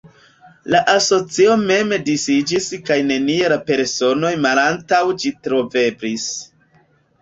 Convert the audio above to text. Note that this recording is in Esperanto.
La asocio mem disiĝis kaj nenie la personoj malantaŭ ĝi troveblis.